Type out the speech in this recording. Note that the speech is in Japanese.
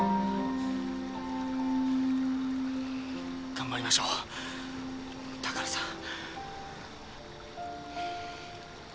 頑張りましょう高原さん。